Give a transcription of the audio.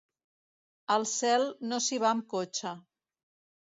Al cel no s'hi va amb cotxe.